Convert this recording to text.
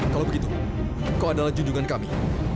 kalau begitu kau adalah junjungan kami